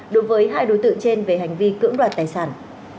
đối với hai đối tượng trên về hành vi cưỡng đoạt tài sản